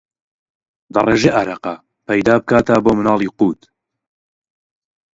دەڕێژێ ئارەقە، پەیدا بکا تا بۆ مناڵی قووت